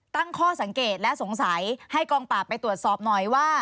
ตั้งข้อสังเกตและสงสัยให้กองปราบไปตรวจสอบหน่อยว่า